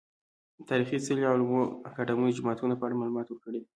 تاريخي څلي، علومو اکادميو، جوماتونه په اړه معلومات ورکړي دي .